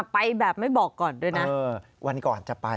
ไปแบบไม่บอกก่อนด้วยนะ